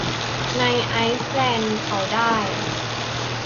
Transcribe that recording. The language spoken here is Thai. ในไอซ์แลนด์เขาได้